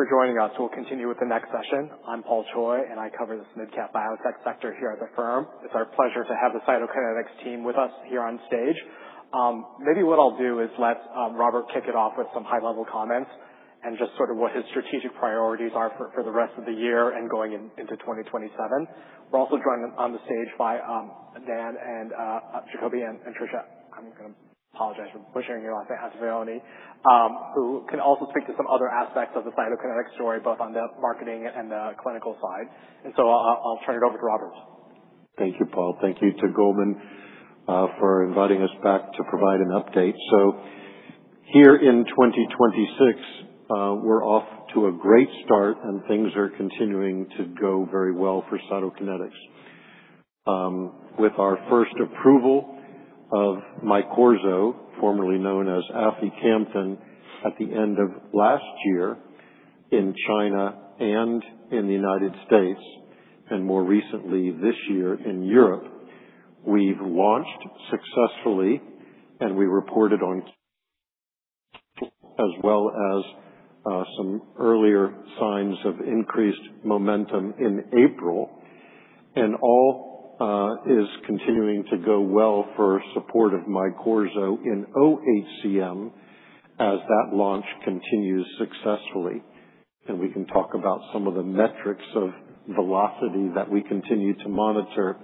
Thank you for joining us. We'll continue with the next session. I'm Paul Choi. I cover this mid-cap biotech sector here at the firm. It's our pleasure to have the Cytokinetics team with us here on stage. What I'll do is let Robert kick it off with some high-level comments and just sort of what his strategic priorities are for the rest of the year and going into 2027. We're also joined on the stage by Dan Jacoby and Tricia. I'm going to apologize for butchering your last name, Ottaviani, who can also speak to some other aspects of the Cytokinetics story, both on the marketing and the clinical side. I'll turn it over to Robert. Thank you, Paul. Thank you to Goldman for inviting us back to provide an update. Here in 2026, we're off to a great start, and things are continuing to go very well for Cytokinetics. With our first approval of MYQORZO, formerly known as aficamten, at the end of last year in China and in the U.S., and more recently this year in Europe. We've launched successfully. We reported on as well as some earlier signs of increased momentum in April, and all is continuing to go well for support of MYQORZO in OHCM as that launch continues successfully. We can talk about some of the metrics of velocity that we continue to monitor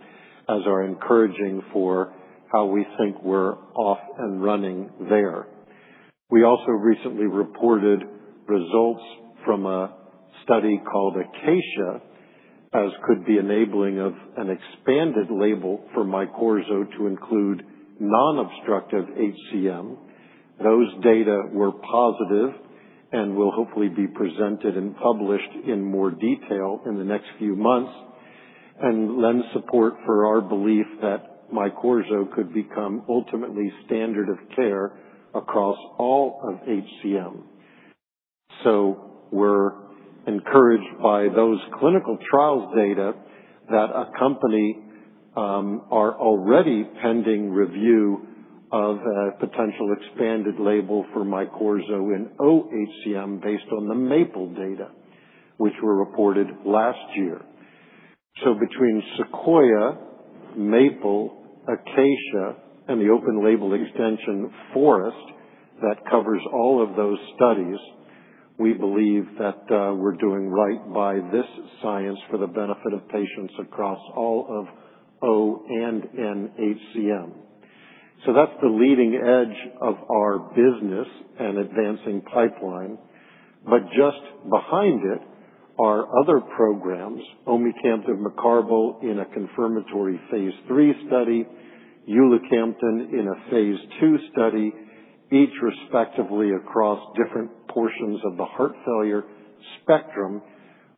as are encouraging for how we think we're off and running there. We also recently reported results from a study called ACACIA-HCM, as could be enabling of an expanded label for MYQORZO to include non-obstructive HCM. Those data were positive and will hopefully be presented and published in more detail in the next few months and lend support for our belief that MYQORZO could become ultimately standard of care across all of HCM. We're encouraged by those clinical trials data that accompany our already pending review of a potential expanded label for MYQORZO in OHCM based on the MAPLE-HCM data, which were reported last year. Between SEQUOIA-HCM, MAPLE-HCM, ACACIA-HCM, and the open label extension FOREST-HCM that covers all of those studies, we believe that we're doing right by this science for the benefit of patients across all of O and N HCM. That's the leading edge of our business and advancing pipeline, but just behind it are other programs, omecamtiv mecarbil in a confirmatory phase III study, ulacamten in a phase II study, each respectively across different portions of the heart failure spectrum.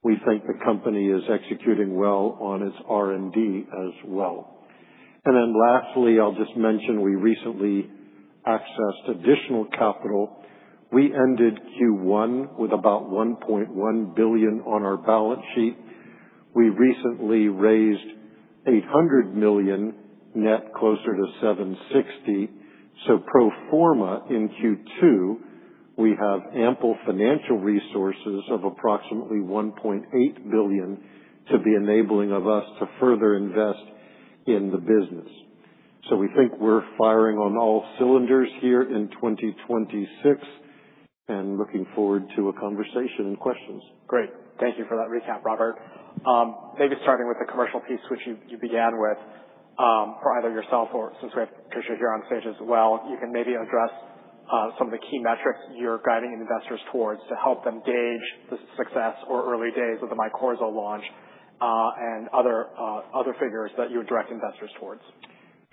We think the company is executing well on its R&D as well. Lastly, I'll just mention we recently accessed additional capital. We ended Q1 with about $1.1 billion on our balance sheet. We recently raised $800 million net closer to $760 million. Pro forma in Q2, we have ample financial resources of approximately $1.8 billion to be enabling of us to further invest in the business. We think we're firing on all cylinders here in 2026 and looking forward to a conversation and questions. Great. Thank you for that recap, Robert. Maybe starting with the commercial piece, which you began with, for either yourself or since we have Tricia here on stage as well, you can maybe address some of the key metrics you're guiding investors towards to help them gauge the success or early days of the MYQORZO launch, and other figures that you would direct investors towards.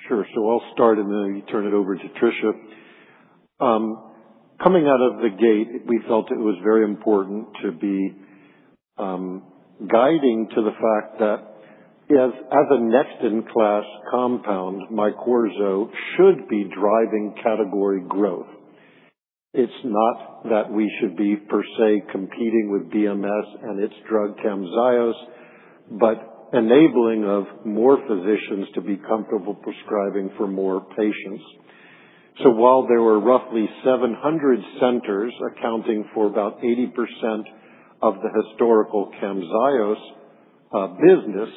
Sure. I'll start and then turn it over to Tricia. Coming out of the gate, we felt it was very important to be guiding to the fact that as a next-in-class compound, MYQORZO should be driving category growth. It's not that we should be per se competing with BMS and its drug CAMZYOS, but enabling of more physicians to be comfortable prescribing for more patients. While there were roughly 700 centers accounting for about 80% of the historical CAMZYOS business,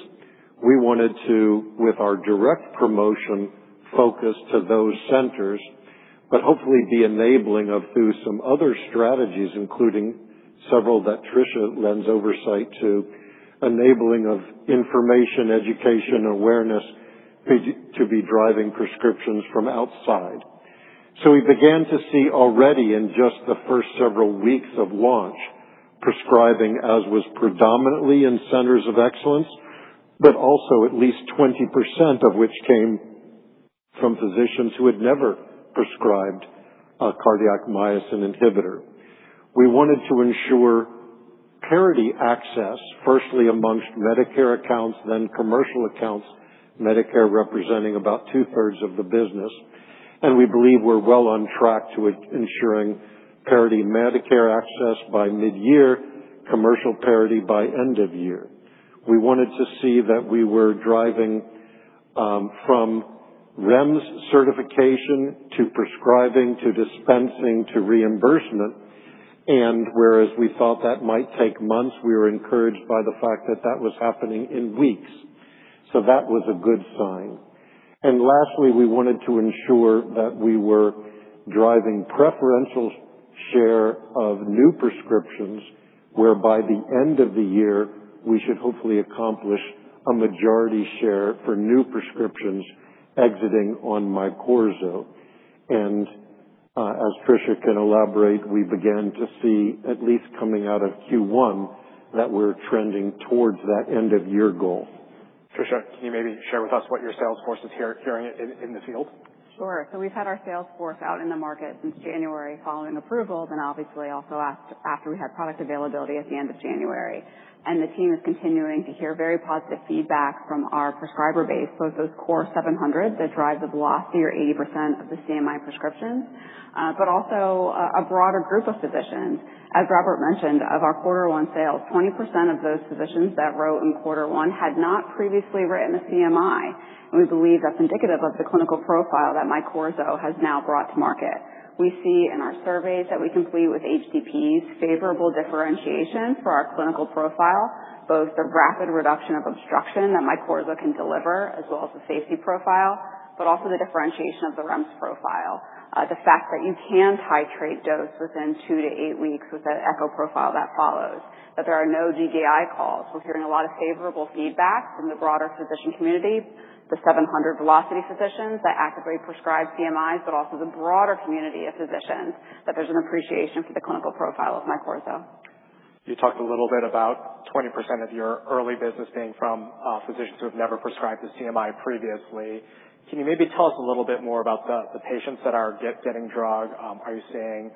we wanted to, with our direct promotion, focus to those centers, but hopefully be enabling of through some other strategies, including several that Tricia lends oversight to, enabling of information, education, awareness to be driving prescriptions from outside. We began to see already in just the first several weeks of launch, prescribing as was predominantly in centers of excellence, but also at least 20% of which came from physicians who had never prescribed a cardiac myosin inhibitor. We wanted to ensure parity access, firstly amongst Medicare accounts, then commercial accounts, Medicare representing about two-thirds of the business. We believe we're well on track to ensuring parity Medicare access by mid-year, commercial parity by end of year. We wanted to see that we were driving from REMS certification to prescribing, to dispensing, to reimbursement. Whereas we thought that might take months, we were encouraged by the fact that that was happening in weeks. That was a good sign. Lastly, we wanted to ensure that we were driving preferential share of new prescriptions, where by the end of the year, we should hopefully accomplish a majority share for new prescriptions exiting on MYQORZO. As Tricia can elaborate, we began to see at least coming out of Q1, that we're trending towards that end of year goal. Tricia, can you maybe share with us what your sales force is hearing in the field? We've had our sales force out in the market since January following approvals and obviously also after we had product availability at the end of January. The team is continuing to hear very positive feedback from our prescriber base. It's those core 700 that drive the Velocity or 80% of the CMI prescriptions. Also, a broader group of physicians. As Robert mentioned, of our quarter one sales, 20% of those physicians that wrote in quarter one had not previously written a CMI, and we believe that's indicative of the clinical profile that MYQORZO has now brought to market. We see in our surveys that we complete with HCPs favorable differentiation for our clinical profile, both the rapid reduction of obstruction that MYQORZO can deliver as well as the safety profile, but also the differentiation of the REMS profile. The fact that you can titrate dose within two to eight weeks with that echo profile that follows, that there are no DDI calls. We're hearing a lot of favorable feedback from the broader physician community, the 700 Velocity physicians that actively prescribe CMIs, but also the broader community of physicians, that there's an appreciation for the clinical profile of MYQORZO. You talked a little bit about 20% of your early business being from physicians who have never prescribed a CMI previously. Can you maybe tell us a little bit more about the patients that are getting drugged? Are you seeing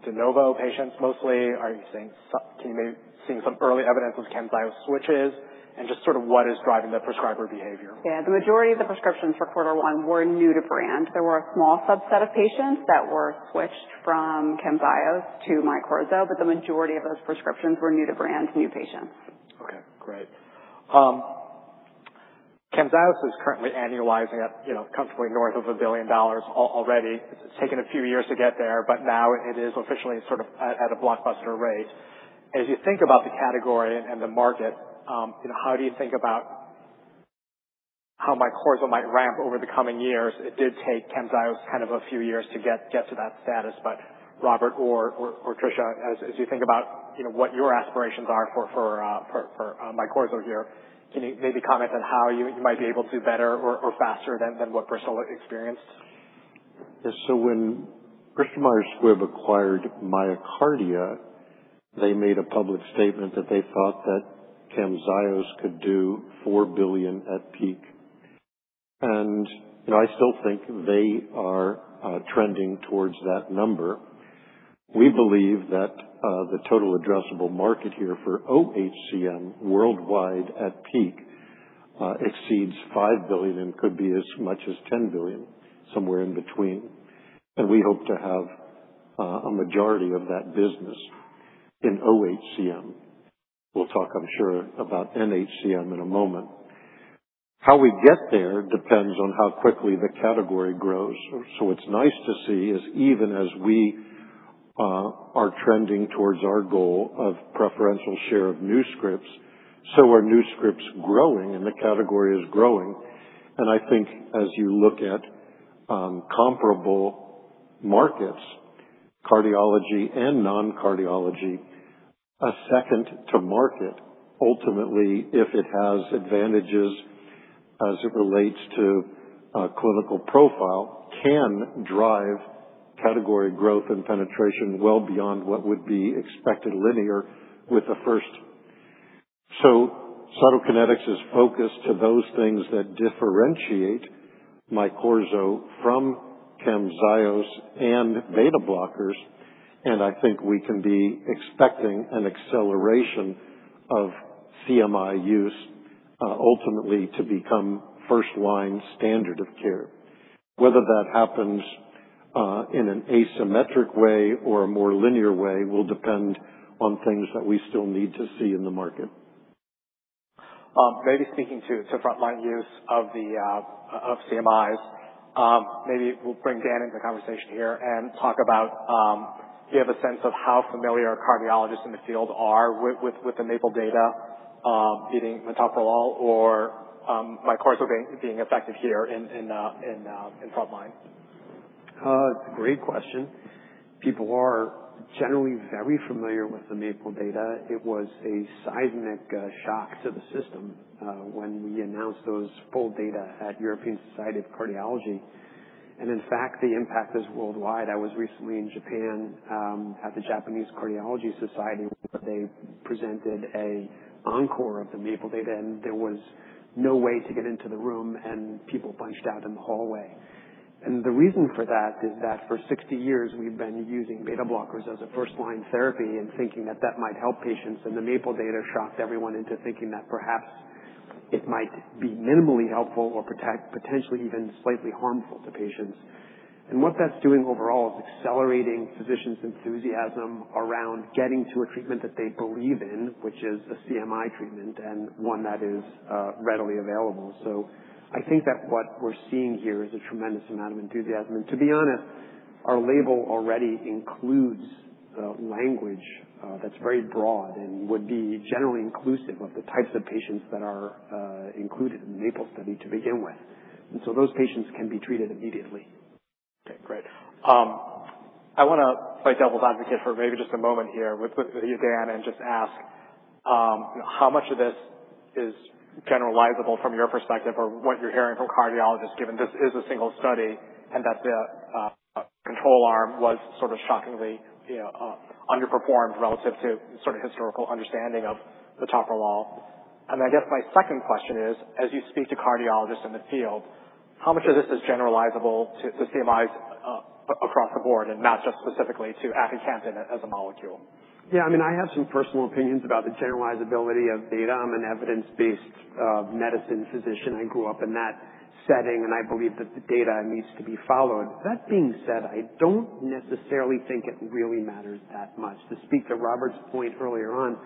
de novo patients mostly? Are you seeing some early evidence of CAMZYOS switches? Just sort of what is driving the prescriber behavior? The majority of the prescriptions for quarter one were new to brand. There were a small subset of patients that were switched from CAMZYOS to MYQORZO, the majority of those prescriptions were new to brand, new patients. Okay, great. CAMZYOS is currently annualizing at comfortably north of $1 billion already. It's taken a few years to get there, now it is officially sort of at a blockbuster rate. As you think about the category and the market, how do you think about how MYQORZO might ramp over the coming years? It did take CAMZYOS a few years to get to that status, Robert or Tricia, as you think about what your aspirations are for MYQORZO here, can you maybe comment on how you might be able to do better or faster than what Bristol experienced? When Bristol Myers Squibb acquired MyoKardia, they made a public statement that they thought that CAMZYOS could do $4 billion at peak. I still think they are trending towards that number. We believe that the total addressable market here for OHCM worldwide at peak, exceeds $5 billion and could be as much as $10 billion, somewhere in between. We hope to have a majority of that business in OHCM. We'll talk, I'm sure, about NHCM in a moment. How we get there depends on how quickly the category grows. What's nice to see is even as we are trending towards our goal of preferential share of new scripts, new scripts growing and the category is growing. I think as you look at comparable markets, cardiology and non-cardiology, a second to market, ultimately, if it has advantages as it relates to clinical profile, can drive category growth and penetration well beyond what would be expected linear with the first. Cytokinetics is focused to those things that differentiate MYQORZO from CAMZYOS and beta blockers, I think we can be expecting an acceleration of CMI use, ultimately to become first-line standard of care. Whether that happens in an asymmetric way or a more linear way will depend on things that we still need to see in the market. Maybe speaking to frontline use of CMIs. Maybe we'll bring Dan into the conversation here and talk about, do you have a sense of how familiar cardiologists in the field are with the MAPLE data, beating metoprolol or MYQORZO being effective here in frontline? Great question. People are generally very familiar with the MAPLE-HCM data. It was a seismic shock to the system when we announced those full data at European Society of Cardiology. In fact, the impact is worldwide. I was recently in Japan, at the Japanese Circulation Society. They presented an encore of the MAPLE-HCM data, there was no way to get into the room, people bunched out in the hallway. The reason for that is that for 60 years, we've been using beta blockers as a first-line therapy and thinking that that might help patients. The MAPLE-HCM data shocked everyone into thinking that perhaps it might be minimally helpful or potentially even slightly harmful to patients. What that's doing overall is accelerating physicians' enthusiasm around getting to a treatment that they believe in, which is a CMI treatment, and one that is readily available. I think that what we're seeing here is a tremendous amount of enthusiasm. To be honest, our label already includes the language that's very broad and would be generally inclusive of the types of patients that are included in the MAPLE-HCM study to begin with. Those patients can be treated immediately. Okay, great. I want to play devil's advocate for maybe just a moment here with you, Dan, just ask how much of this is generalizable from your perspective or what you're hearing from cardiologists, given this is a single study and that the control arm was sort of shockingly underperformed relative to historical understanding of the metoprolol. I guess my second question is, as you speak to cardiologists in the field, how much of this is generalizable to CMIs across the board and not just specifically to aficamten as a molecule? Yeah, I have some personal opinions about the generalizability of data. I'm an evidence-based medicine physician. I grew up in that setting, and I believe that the data needs to be followed. That being said, I don't necessarily think it really matters that much. To speak to Robert's point earlier on,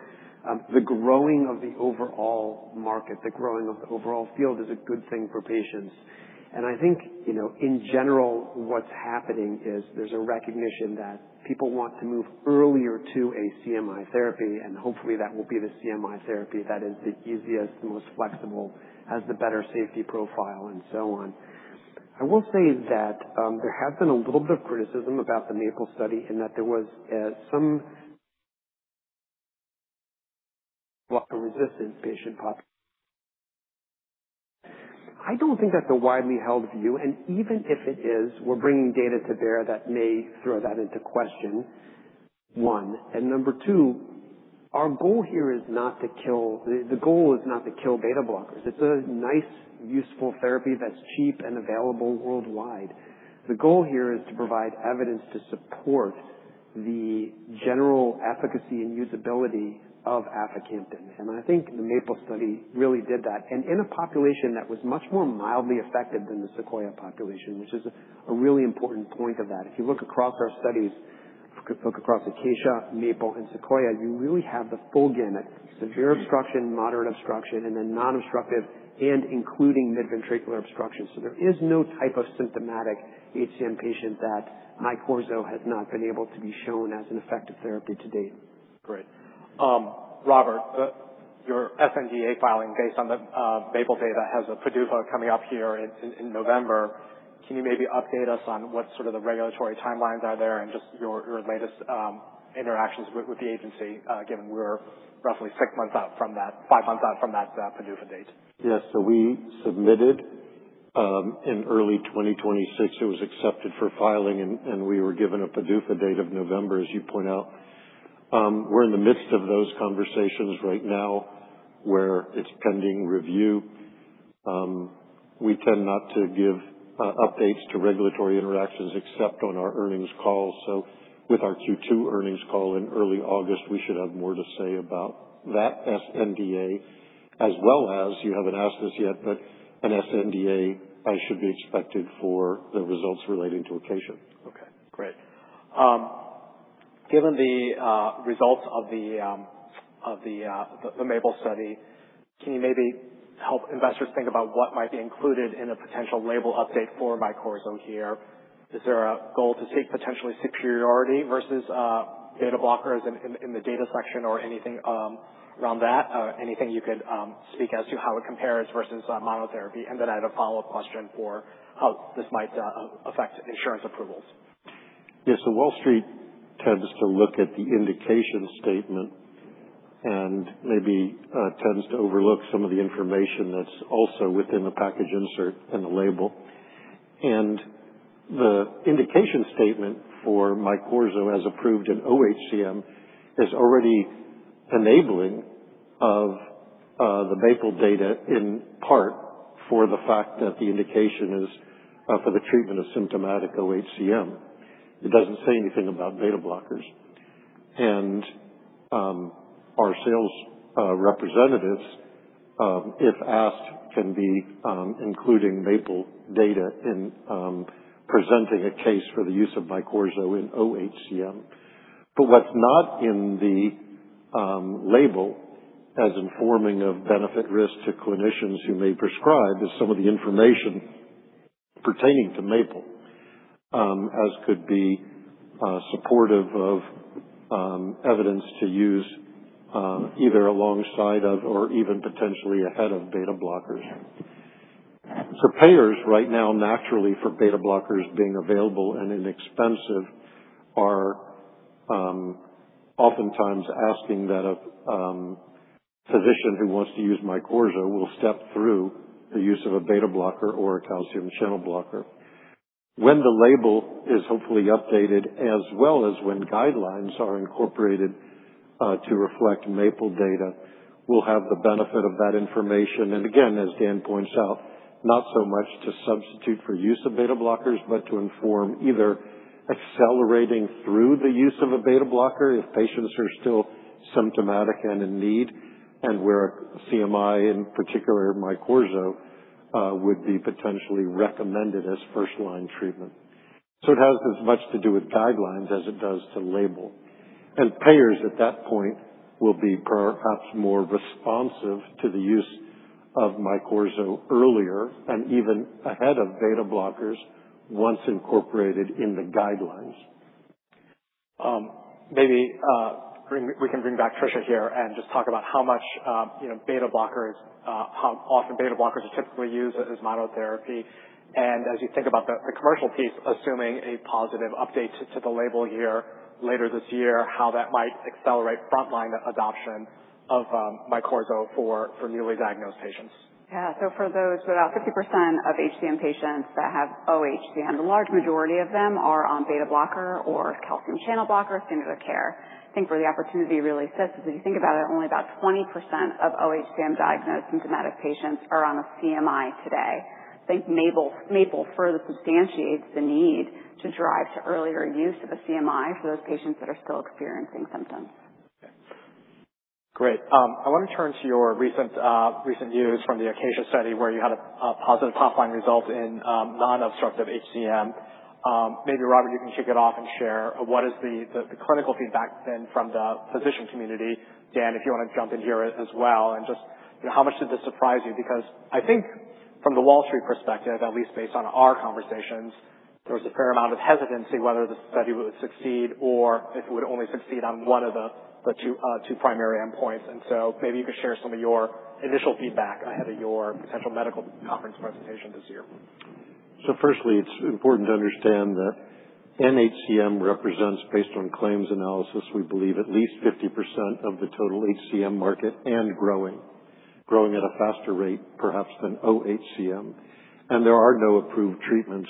the growing of the overall market, the growing of the overall field is a good thing for patients. I think, in general, what's happening is there's a recognition that people want to move earlier to a CMI therapy, and hopefully that will be the CMI therapy that is the easiest and most flexible, has the better safety profile, and so on. I will say that there has been a little bit of criticism about the MAPLE study in that there was some beta-blocker-resistant patient pop. I don't think that's a widely held view, and even if it is, we're bringing data to bear that may throw that into question, one. Number two, the goal is not to kill beta blockers. It's a nice, useful therapy that's cheap and available worldwide. The goal here is to provide evidence to support the general efficacy and usability of aficamten. I think the MAPLE study really did that. In a population that was much more mildly affected than the SEQUOIA population, which is a really important point of that. If you look across our studies, if you look across ACACIA, MAPLE and SEQUOIA, you really have the full gamut. Severe obstruction, moderate obstruction, and then non-obstructive, and including mid-ventricular obstruction. There is no type of symptomatic HCM patient that MYQORZO has not been able to be shown as an effective therapy to date. Great. Robert, your sNDA filing based on the MAPLE data has a PDUFA coming up here in November. Can you maybe update us on what sort of the regulatory timelines are there and just your latest interactions with the agency, given we're roughly 6 months out from that, 5 months out from that PDUFA date? Yes. We submitted in early 2026. It was accepted for filing, and we were given a PDUFA date of November, as you point out. We're in the midst of those conversations right now where it's pending review. We tend not to give updates to regulatory interactions except on our earnings calls. With our Q2 earnings call in early August, we should have more to say about that sNDA as well as, you haven't asked this yet, but an sNDA, I should be expected for the results relating to ACACIA. Okay, great. Given the results of the MAPLE-HCM study, can you maybe help investors think about what might be included in a potential label update for MYQORZO here? Is there a goal to seek potentially superiority versus beta blockers in the data section or anything around that? Anything you could speak as to how it compares versus monotherapy. I had a follow-up question for how this might affect insurance approvals. Yes. Wall Street tends to look at the indication statement and maybe tends to overlook some of the information that's also within the package insert and the label. The indication statement for MYQORZO, as approved in OHCM, is already enabling of the MAPLE data in part for the fact that the indication is for the treatment of symptomatic OHCM. It doesn't say anything about beta blockers. Our sales representatives, if asked, can be including MAPLE data in presenting a case for the use of MYQORZO in OHCM. What's not in the label as informing of benefit risk to clinicians who may prescribe is some of the information pertaining to MAPLE as could be supportive of evidence to use either alongside of or even potentially ahead of beta blockers. Payers right now, naturally for beta blockers being available and inexpensive, are oftentimes asking that a physician who wants to use MYQORZO will step through the use of a beta blocker or a calcium channel blocker. When the label is hopefully updated, as well as when guidelines are incorporated to reflect MAPLE data, we'll have the benefit of that information. Again, as Dan points out, not so much to substitute for use of beta blockers, but to inform either accelerating through the use of a beta blocker if patients are still symptomatic and in need, and where CMI, in particular MYQORZO, would be potentially recommended as first-line treatment. It has as much to do with guidelines as it does to label. Payers at that point will be perhaps more responsive to the use of MYQORZO earlier and even ahead of beta blockers once incorporated in the guidelines. Maybe we can bring back Tricia here and just talk about how often beta blockers are typically used as monotherapy. As you think about the commercial piece, assuming a positive update to the label here later this year, how that might accelerate frontline adoption of MYQORZO for newly diagnosed patients. Yeah. For those, about 50% of HCM patients that have OHCM, the large majority of them are on beta-blocker or calcium channel blocker standard of care. I think where the opportunity really sits is if you think about it, only about 20% of OHCM diagnosed symptomatic patients are on a CMI today. MAPLE-HCM further substantiates the need to drive to earlier use of a CMI for those patients that are still experiencing symptoms. Okay. Great. I want to turn to your recent news from the ACACIA study, where you had a positive top-line result in non-obstructive HCM. Maybe, Robert, you can kick it off and share what is the clinical feedback then from the physician community. Dan, if you want to jump in here as well, just how much did this surprise you? Because I think from the Wall Street perspective, at least based on our conversations, there was a fair amount of hesitancy whether the study would succeed or if it would only succeed on one of the two primary endpoints. Maybe you could share some of your initial feedback ahead of your potential medical conference presentation this year. Firstly, it's important to understand that NHCM represents based on claims analysis, we believe at least 50% of the total HCM market and growing. Growing at a faster rate perhaps than OHCM. There are no approved treatments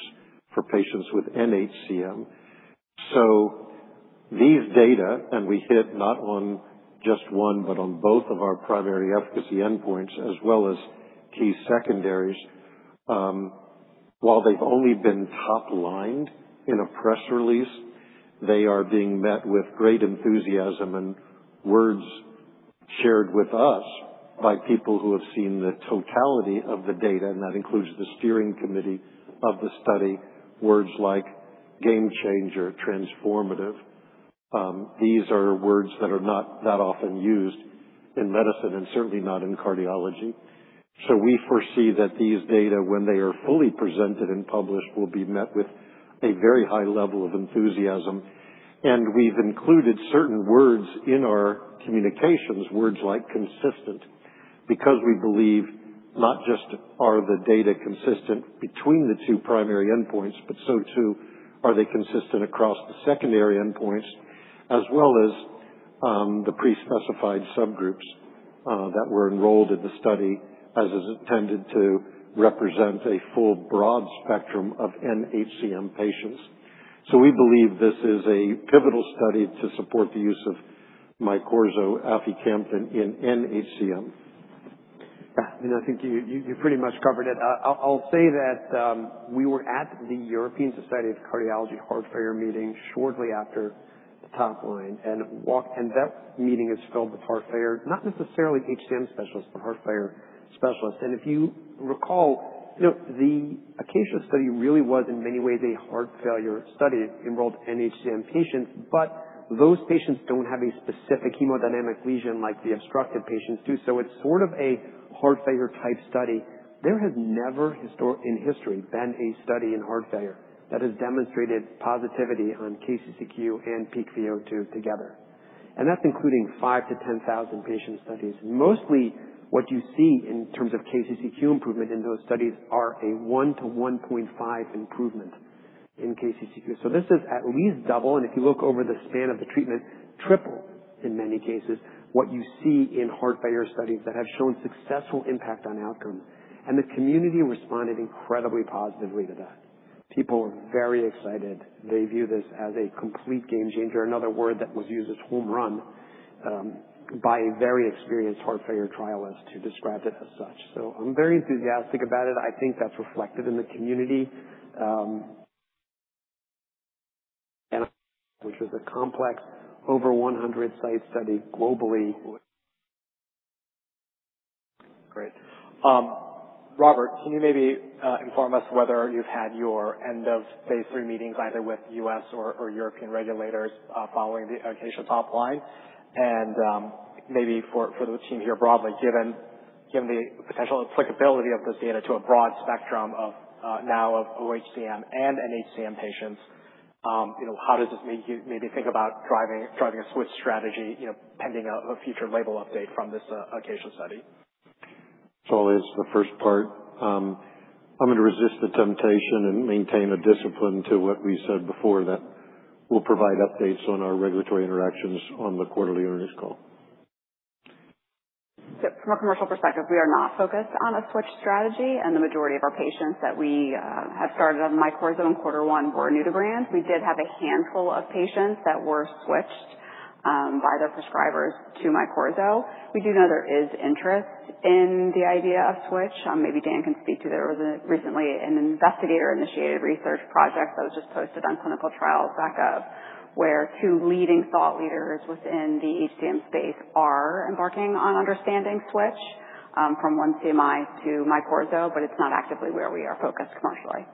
for patients with NHCM. These data, we hit not on just one, but on both of our primary efficacy endpoints as well as key secondaries. While they've only been top-lined in a press release, they are being met with great enthusiasm and words shared with us by people who have seen the totality of the data, that includes the steering committee of the study, words like game changer, transformative. These are words that are not that often used in medicine and certainly not in cardiology. We foresee that these data, when they are fully presented and published, will be met with a very high level of enthusiasm. We've included certain words in our communications, words like consistent, because we believe not just are the data consistent between the two primary endpoints, but too are they consistent across the secondary endpoints as well as the pre-specified subgroups that were enrolled in the study as is intended to represent a full, broad spectrum of NHCM patients. We believe this is a pivotal study to support the use of MYQORZO, aficamten in NHCM. I think you pretty much covered it. I'll say that we were at the European Society of Cardiology heart failure meeting shortly after the top line. That meeting is filled with heart failure, not necessarily HCM specialists, but heart failure specialists. If you recall, the ACACIA study really was in many ways a heart failure study. It enrolled NHCM patients, but those patients don't have a specific hemodynamic lesion like the obstructive patients do. It's sort of a heart failure type study. There has never in history been a study in heart failure that has demonstrated positivity on KCCQ and pVO2 together. That's including five to 10,000 patient studies. Mostly, what you see in terms of KCCQ improvement in those studies are a one to 1.5 improvement in KCCQ. This is at least double, and if you look over the span of the treatment, triple in many cases what you see in heart failure studies that have shown successful impact on outcomes. The community responded incredibly positively to that. People are very excited. They view this as a complete game changer. Another word that was used is home run by a very experienced heart failure trialist who described it as such. I'm very enthusiastic about it. I think that's reflected in the community. Which was a complex over 100-site study globally. Great. Robert, can you maybe inform us whether you've had your end of phase III meetings either with U.S. or European regulators following the ACACIA top line? Maybe for the team here broadly, given the potential applicability of this data to a broad spectrum now of OHCM and NHCM patients, how does this make you maybe think about driving a switch strategy pending a future label update from this ACACIA study? As the first part, I'm going to resist the temptation and maintain a discipline to what we said before, that we'll provide updates on our regulatory interactions on the quarterly earnings call. Yep. From a commercial perspective, we are not focused on a switch strategy. The majority of our patients that we have started on MYQORZO in quarter one were new to brand. We did have a handful of patients that were switched by their prescribers to MYQORZO. We do know there is interest in the idea of switch. Maybe Dan can speak to, there was recently an investigator-initiated research project that was just posted on ClinicalTrials.gov, where two leading thought leaders within the HCM space are embarking on understanding switch from one CMI to MYQORZO, but it's not actively where we are focused commercially.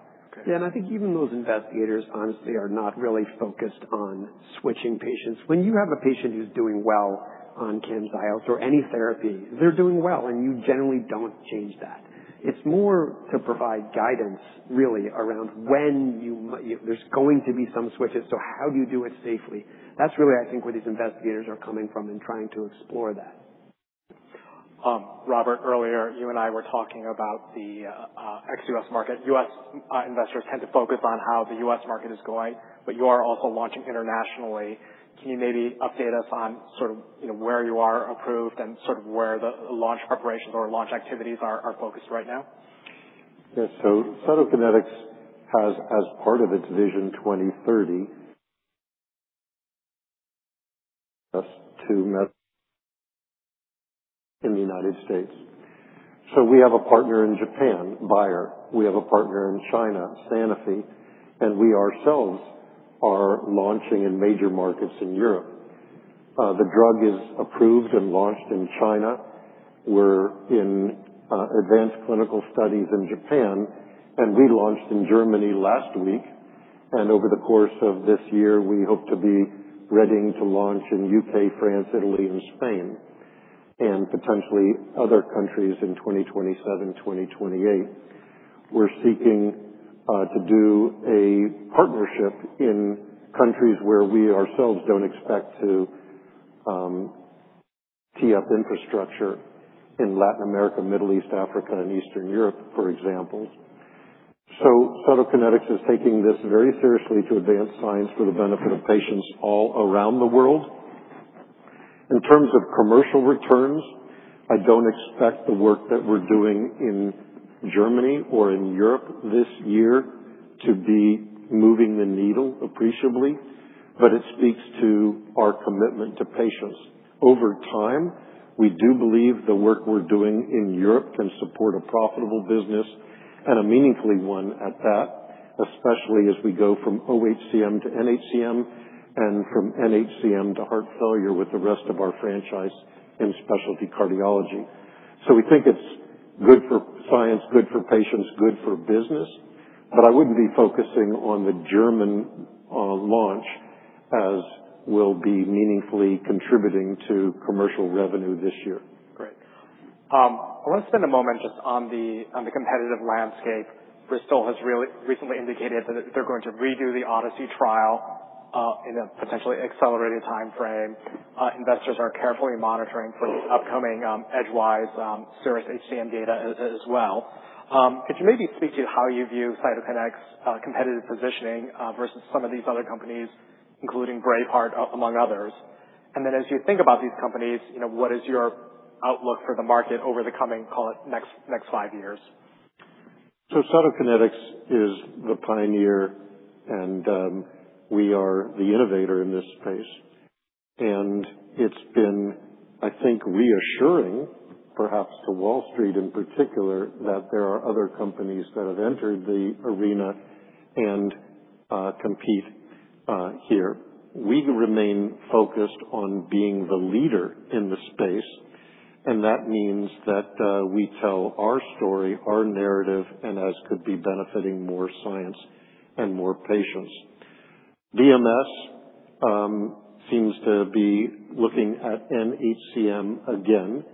Yeah, I think even those investigators, honestly, are not really focused on switching patients. When you have a patient who's doing well on CAMZYOS or any therapy, they're doing well, you generally don't change that. It's more to provide guidance, really, around when there's going to be some switches. How do you do it safely? That's really, I think, where these investigators are coming from and trying to explore that. Robert, earlier you and I were talking about the ex-U.S. market. U.S. investors tend to focus on how the U.S. market is going, you are also launching internationally. Can you maybe update us on where you are approved and where the launch preparations or launch activities are focused right now? Yes. Cytokinetics has as part of its Vision 2030 us to in the United States. We have a partner in Japan, Bayer. We have a partner in China, Sanofi, and we ourselves are launching in major markets in Europe. The drug is approved and launched in China. We're in advanced clinical studies in Japan, we launched in Germany last week. Over the course of this year, we hope to be ready to launch in U.K., France, Italy and Spain, and potentially other countries in 2027, 2028. We're seeking to do a partnership in countries where we ourselves don't expect to tee up infrastructure in Latin America, Middle East, Africa and Eastern Europe, for example. Cytokinetics is taking this very seriously to advance science for the benefit of patients all around the world. In terms of commercial returns, I don't expect the work that we're doing in Germany or in Europe this year to be moving the needle appreciably, but it speaks to our commitment to patients. Over time, we do believe the work we're doing in Europe can support a profitable business and a meaningful one at that, especially as we go from OHCM to NHCM and from NHCM to heart failure with the rest of our franchise in specialty cardiology. We think it's good for science, good for patients, good for business. I wouldn't be focusing on the German launch as will be meaningfully contributing to commercial revenue this year. Great. I want to spend a moment just on the competitive landscape. Bristol has recently indicated that they're going to redo the ODYSSEY trial in a potentially accelerated timeframe. Investors are carefully monitoring for upcoming Edgewise CIRRUS-HCM data as well. Could you maybe speak to how you view Cytokinetics' competitive positioning versus some of these other companies, including Braveheart, among others? As you think about these companies, what is your outlook for the market over the coming, call it next five years? Cytokinetics is the pioneer and we are the innovator in this space. It's been, I think, reassuring, perhaps for Wall Street in particular, that there are other companies that have entered the arena and compete here. We remain focused on being the leader in the space, and that means that we tell our story, our narrative, and as could be benefiting more science and more patients. BMS seems to be looking at NHCM again,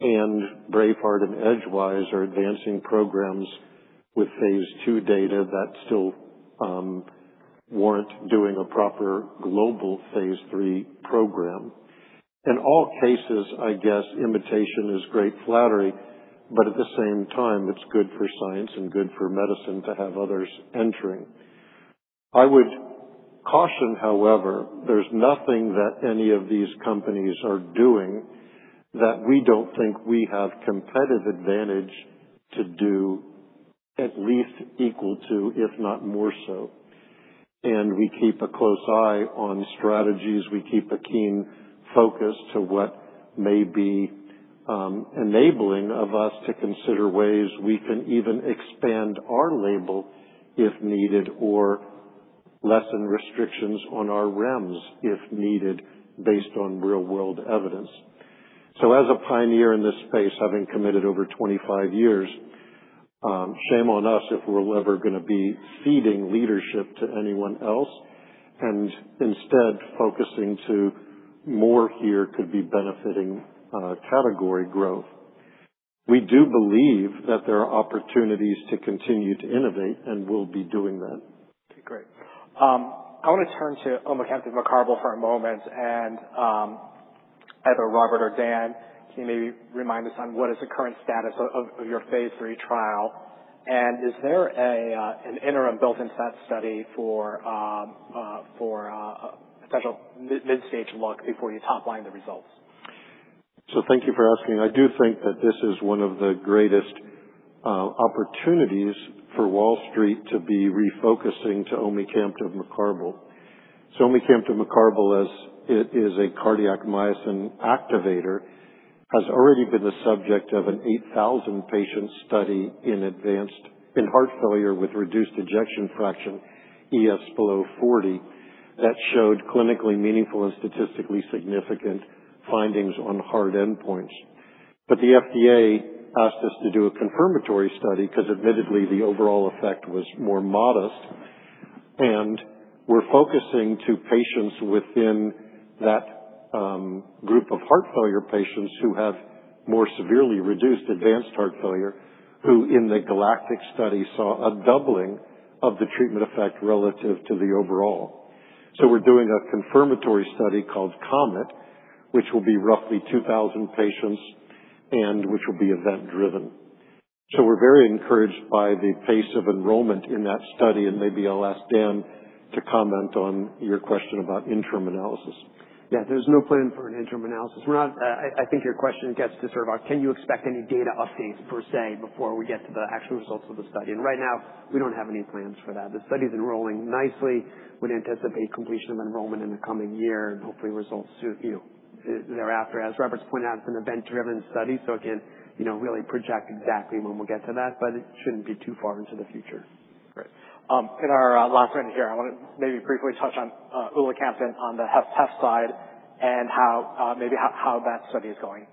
and Braveheart and Edgewise are advancing programs with phase II data that still warrant doing a proper global phase III program. In all cases, I guess imitation is great flattery, but at the same time, it's good for science and good for medicine to have others entering. I would caution, however, there's nothing that any of these companies are doing that we don't think we have competitive advantage to do at least equal to, if not more so. We keep a close eye on strategies. We keep a keen focus to what may be enabling of us to consider ways we can even expand our label if needed, or lessen restrictions on our REMS if needed, based on real-world evidence. As a pioneer in this space, having committed over 25 years, shame on us if we're ever going to be ceding leadership to anyone else and instead focusing to more here could be benefiting category growth. We do believe that there are opportunities to continue to innovate, and we'll be doing that. Okay, great. I want to turn to omecamtiv mecarbil for a moment. Either Robert or Dan, can you maybe remind us on what is the current status of your phase III trial? Is there an interim built-in set study for a potential mid-stage look before you top line the results? Thank you for asking. I do think that this is one of the greatest opportunities for Wall Street to be refocusing to omecamtiv mecarbil. Omecamtiv mecarbil is a cardiac myosin activator, has already been the subject of an 8,000 patient study in heart failure with reduced ejection fraction, EF below 40, that showed clinically meaningful and statistically significant findings on hard endpoints. The FDA asked us to do a confirmatory study because admittedly the overall effect was more modest, and we're focusing to patients within that group of heart failure patients who have more severely reduced advanced heart failure, who in the GALACTIC study saw a doubling of the treatment effect relative to the overall. We're doing a confirmatory study called COMET, which will be roughly 2,000 patients and which will be event-driven. We're very encouraged by the pace of enrollment in that study, and maybe I'll ask Dan to comment on your question about interim analysis. Yeah, there's no plan for an interim analysis. I think your question gets to sort of, can you expect any data updates per se before we get to the actual results of the study? Right now, we don't have any plans for that. The study's enrolling nicely. Would anticipate completion of enrollment in the coming year and hopefully results thereafter. As Robert's pointed out, it's an event-driven study, so again, really project exactly when we'll get to that, but it shouldn't be too far into the future. Great. In our last minute here, I want to maybe briefly touch on ulacamten on the HFpEF side and maybe how that study is going.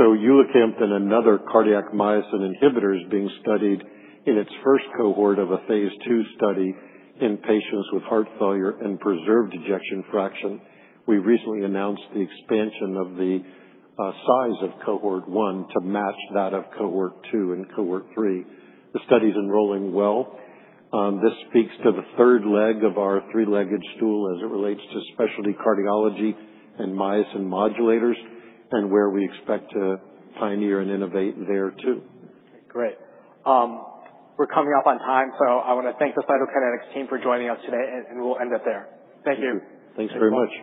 ulacamten, another cardiac myosin inhibitor, is being studied in its first cohort of a phase II study in patients with heart failure with preserved ejection fraction. We recently announced the expansion of the size of cohort 1 to match that of cohort 2 and cohort 3. The study's enrolling well. This speaks to the third leg of our three-legged stool as it relates to specialty cardiology and myosin modulators and where we expect to pioneer and innovate there too. Great. We're coming up on time, I want to thank the Cytokinetics team for joining us today, and we'll end it there. Thank you. Thank you. Thanks very much.